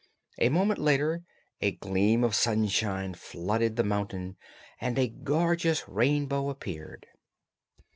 A moment later a gleam of sunshine flooded the mountain and a gorgeous Rainbow appeared.